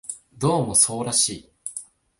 どうもそうらしい